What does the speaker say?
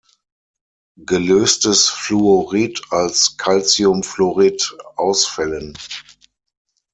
Gelöstes Fluorid als Calciumfluorid ausfällen.